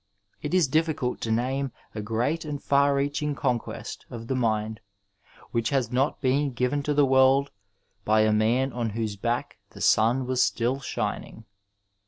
It is difficult to name a great and £ar recMshing conquest of the mind which has not been given to the world by a man on whose back the sim was still shining.